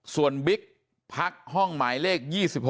ส่วนบิ๊กพักห้องหมายเลข๒๖